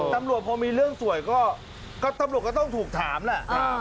ตำรวจโดยมีเรื่องสวยก็ต้องถูกถามแล้ว